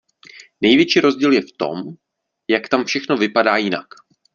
Největší rozdíl je v tom, jak tam všechno vypadá jinak.